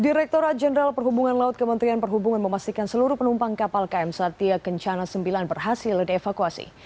direkturat jenderal perhubungan laut kementerian perhubungan memastikan seluruh penumpang kapal km satya kencana sembilan berhasil dievakuasi